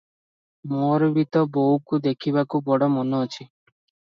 ମୋର ବି ତୋ ବୋଉକୁ ଦେଖିବାକୁ ବଡ଼ ମନ ଅଛି ।